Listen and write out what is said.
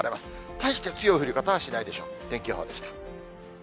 大して強い降り方はしないでしょう。